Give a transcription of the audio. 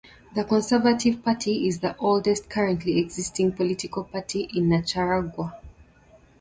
The conservative party is the oldest currently existing political party in Nicaragua.